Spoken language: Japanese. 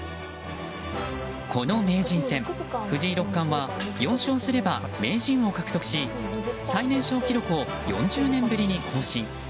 この名人戦藤井六冠は４勝すれば名人を獲得し、最年少記録を４０年ぶりに更新。